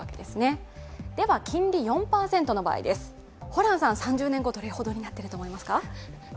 ホランさん、３０年後どれほどになっていると思いますか？